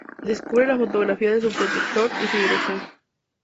Descubre la fotografía de su protector y su dirección.